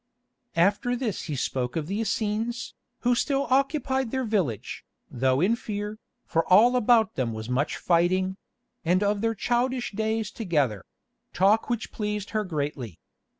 After this he spoke of the Essenes, who still occupied their village, though in fear, for all about them was much fighting; and of their childish days together—talk which pleased her greatly.